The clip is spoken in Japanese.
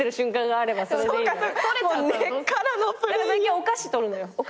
お菓子取るのよ。